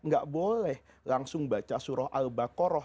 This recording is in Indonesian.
gak boleh langsung baca surah al baqarah